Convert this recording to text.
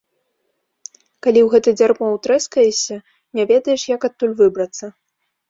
Калі ў гэта дзярмо утрэскаешся, не ведаеш, як адтуль выбрацца.